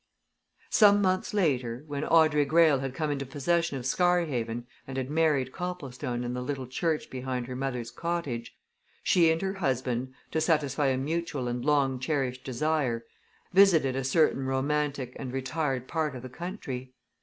Some months later, when Audrey Greyle had come into possession of Scarhaven, and had married Copplestone in the little church behind her mother's cottage, she and her husband, to satisfy a mutual and long cherished desire, visited a certain romantic and retired part of the country.